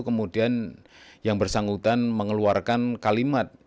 kemudian yang bersangkutan mengeluarkan kalimat